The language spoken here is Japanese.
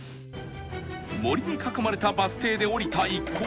森に囲まれたバス停で降りた一行